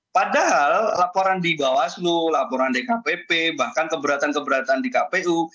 padahal laporan di bawaslu laporan dkpp bahkan keberatan keberatan di kpu